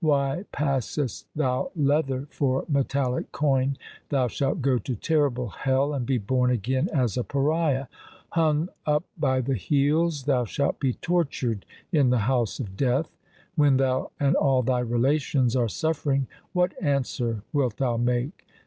Why passest thou leather for metallic coin ? Thou shalt go to terrible hell, and be born again as a pariah. Hung up by the heels thou shalt be tortured in the house of Death. When thou and all thy relations are suffering, what answer wilt thou make